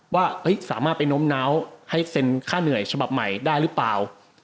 ว่าสามารถไปโน้มน้าวให้เซ็นค่าเหนื่อยฉบับใหม่ได้หรือเปล่า